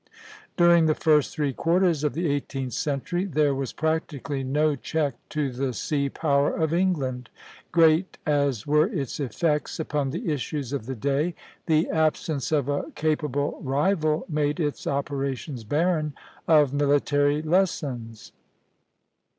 During the first three quarters of the eighteenth century there was practically no check to the sea power of England; great as were its effects upon the issues of the day, the absence of a capable rival made its operations barren of military lessons.